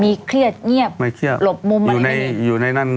มีเครียดเงียบไม่เครียดหลบมุมอยู่ในอยู่ในนั้น